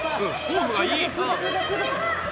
フォームがいい！